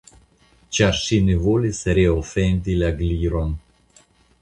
Ĉar ŝi ne volis reofendi la Gliron.